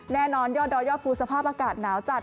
แน่นอนยอดดอยอดฟูสภาพอากาศหนาวจัด